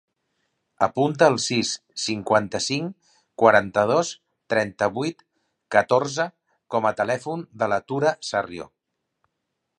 Apunta el sis, cinquanta-cinc, quaranta-dos, trenta-vuit, catorze com a telèfon de la Tura Sarrio.